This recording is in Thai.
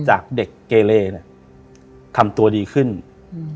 จากเด็กเกเลเนี้ยทำตัวดีขึ้นอืม